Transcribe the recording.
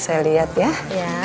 saya lihat yah